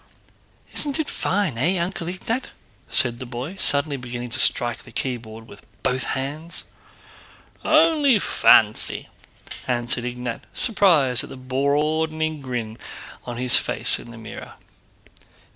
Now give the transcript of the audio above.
"Isn't it fine, eh, Uncle Ignát?" said the boy, suddenly beginning to strike the keyboard with both hands. "Only fancy!" answered Ignát, surprised at the broadening grin on his face in the mirror.